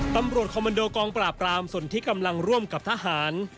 ตำรวจคอมมันโดกองปราบรามส่วนที่กำลังร่วมกับทหาร